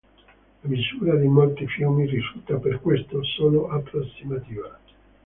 La misura di molti fiumi risulta, per questo, solo approssimativa.